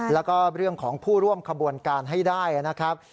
แล้วก็เรื่องของผู้ร่วมขบวนการให้ได้นะครับ